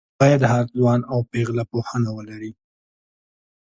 باید هر ځوان او پېغله پوهنه ولري